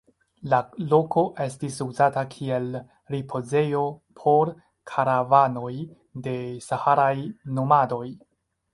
La loko estis uzata kiel ripozejo por karavanoj de saharaj nomadoj.